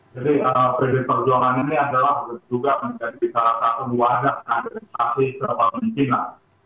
jadi pd perjuangan ini adalah juga menjadi sarasa kebuahannya kader kasi serta penginan